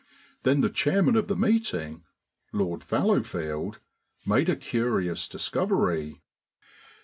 Then the chairman of the meeting, Lord Fallowfield, made a curious discovery.